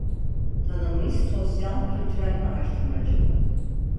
Tanınmış sosyal-kültürel araştırmacı.